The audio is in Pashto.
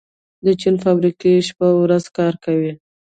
د چین فابریکې شپه او ورځ کار کوي.